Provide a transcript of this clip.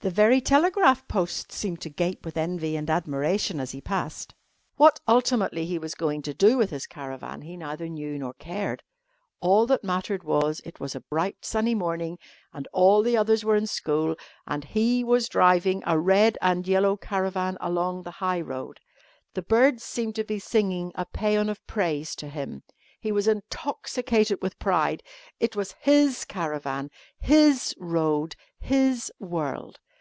The very telegraph posts seemed to gape with envy and admiration as he passed. What ultimately he was going to do with his caravan he neither knew nor cared. All that mattered was, it was a bright sunny morning, and all the others were in school, and he was driving a red and yellow caravan along the high road. The birds seemed to be singing a pæon of praise to him. He was intoxicated with pride. It was his caravan, his road, his world.